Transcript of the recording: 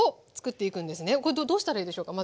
これどうしたらいいでしょうか？